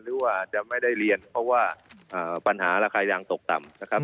หรือว่าจะไม่ได้เรียนเพราะว่าปัญหาราคายางตกต่ำนะครับ